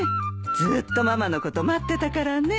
ずーっとママのこと待ってたからね。